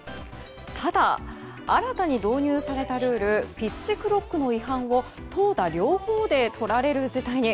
ただ新たに導入されたルールピッチクロックの違反を投打両方でとられる事態に。